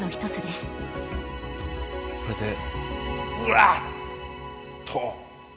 これでうりゃ！と。